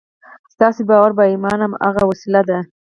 ستاسې باور يا ايمان هماغه وسيله ده.